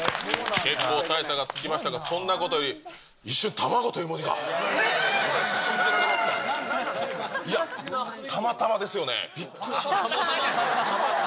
結構大差がつきましたが、そんなことより、一瞬、卵という文字が、信じられますか？